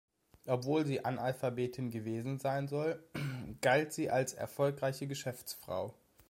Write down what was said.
Obwohl sie Analphabetin gewesen sein soll, galt sie als erfolgreiche Geschäftsfrau.